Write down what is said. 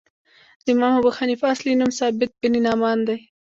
د امام ابو حنیفه اصلی نوم ثابت بن نعمان دی .